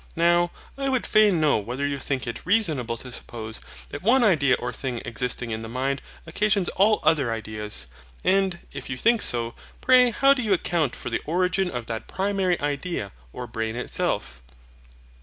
Now, I would fain know whether you think it reasonable to suppose that one idea or thing existing in the mind occasions all other ideas. And, if you think so, pray how do you account for the origin of that primary idea or brain itself?